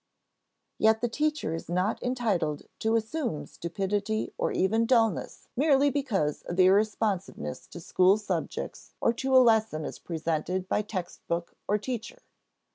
Yet the teacher is not entitled to assume stupidity or even dullness merely because of irresponsiveness to school subjects or to a lesson as presented by text book or teacher.